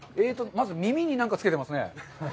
まず耳に何かつけてますね。